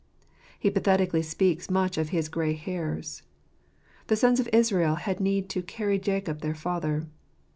He pathetically speaks much of his "grey hairs." The sons of Israel had need to "carry Jacob their father."